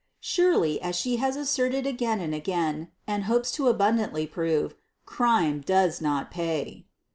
Surely, as she has asserted again and again — and hopes to abundantly prove — CRIMjlI DOES NOT PAY.